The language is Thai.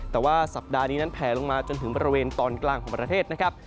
แต่ว่าสัปดาห์นี้นั้นแผลลงมาจนถึงบริเวณตอนกลางของประเทศนะครับ